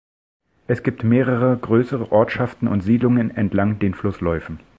Es gibt mehrere größere Ortschaften und Siedlungen entlang den Flussläufen.